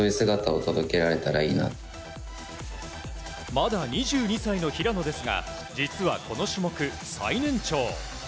まだ２２歳の平野ですが実は、この種目最年長。